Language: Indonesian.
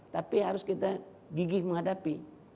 tapi harus kita gigih menghadapi